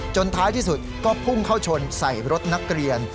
ท้ายที่สุดก็พุ่งเข้าชนใส่รถนักเรียน